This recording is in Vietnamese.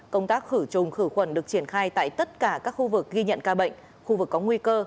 công tác khử trùng khử khuẩn được triển khai tại tất cả các khu vực ghi nhận ca bệnh khu vực có nguy cơ